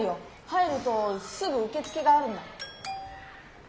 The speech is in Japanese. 入るとすぐうけつけがあるんだ。